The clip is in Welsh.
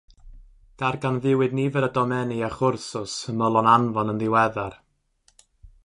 Darganfuwyd nifer o domenni a chwrsws ymylon anfon yn ddiweddar.